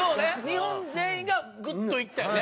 日本全員がグッと行ったよね。